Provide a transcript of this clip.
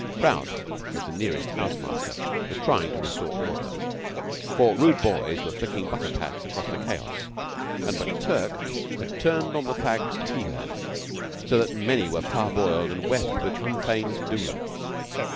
Prout, as the nearest house master, was trying to restore order, for rude boys were flicking butter pats across chaos, and McTurk had turned on the fags' tea urn, so that many were parboiled and wept with an unfeigned dolor.